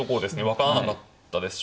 分からなかったです